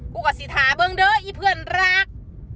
กูกับสิทธาเบิ้งเด้ออีเพื่อนรัก